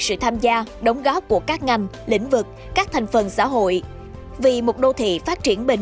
sự tham gia đóng góp của các ngành lĩnh vực các thành phần xã hội vì một đô thị phát triển bền